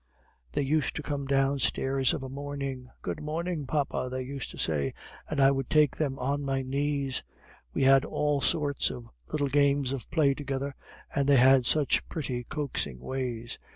They used to come downstairs of a morning. 'Good morning, papa!' they used to say, and I would take them on my knees; we had all sorts of little games of play together, and they had such pretty coaxing ways.